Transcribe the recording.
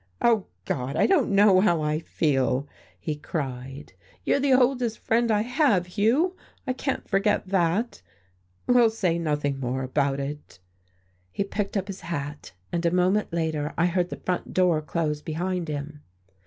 "Oh, God, I don't know how I feel!" he cried. "You're the oldest friend I have, Hugh, I can't forget that. We'll say nothing more about it." He picked up his hat and a moment later I heard the front door close behind him.